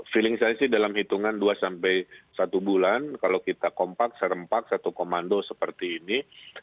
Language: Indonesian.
feeling saya sih dalam hitungan dua sampai satu bulan kalau kita kompak serempak satu komando seperti ini